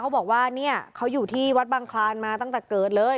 เขาบอกว่าเนี่ยเขาอยู่ที่วัดบังคลานมาตั้งแต่เกิดเลย